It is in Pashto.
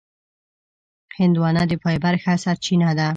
هندوانه د فایبر ښه سرچینه ده.